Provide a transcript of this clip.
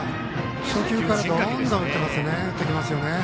初球からどんどん振ってきますね。